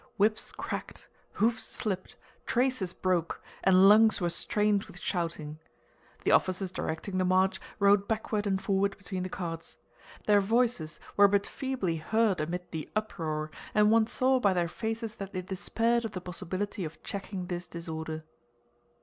Whips cracked, hoofs slipped, traces broke, and lungs were strained with shouting. The officers directing the march rode backward and forward between the carts. Their voices were but feebly heard amid the uproar and one saw by their faces that they despaired of the possibility of checking this disorder.